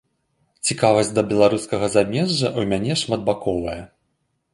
Цікавасць да беларускага замежжа ў мяне шматбаковая.